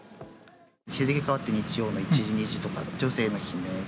日付変わった日曜の１時、２時とかに女性の悲鳴。